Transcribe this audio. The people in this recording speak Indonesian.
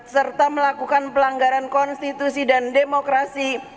serta melakukan pelanggaran konstitusi dan demokrasi